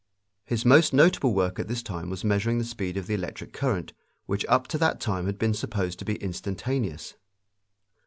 His most notable work at this time was measuring the speed of the electric current, which up to that time had been supposed to be instantaneous.